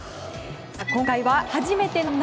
さあ、今回は初めての夏。